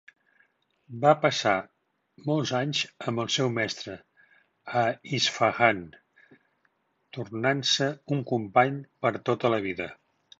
Va passar molts anys amb el seu mestre a Isfahan, tornant-se un company per tota la vida.